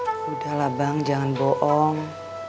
sudahlah bang jangan bohong